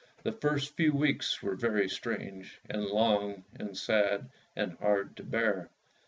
The first few weeks were very strange, And long, and sad, and hard to bear.